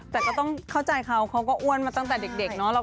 แต่ก็ต้องเข้าใจเขาเขาก็อ้วนมาตั้งแต่เด็กเนาะ